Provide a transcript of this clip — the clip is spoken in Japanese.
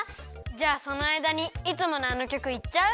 じゃあそのあいだにいつものあのきょくいっちゃう？